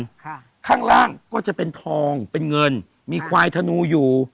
ข้างล่างก็จะเป็นทองเป็นเงินมีควายธนูอยู่